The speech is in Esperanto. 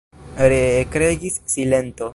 Ree ekregis silento.